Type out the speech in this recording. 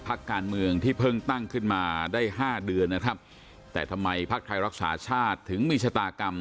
พักการเมืองที่เพิ่งตั้งขึ้นมาได้ห้าเดือนนะครับแต่ทำไมพักไทยรักษาชาติถึงมีชะตากรรม